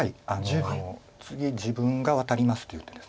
次自分がワタりますという手です。